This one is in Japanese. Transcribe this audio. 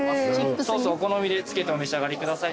ソースお好みで付けてお召し上がりください。